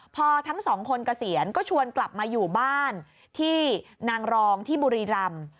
พอทั้งสองคนเกษียณก็ชวนกลับมาอยู่บ้านที่นางรองที่บุรีรำ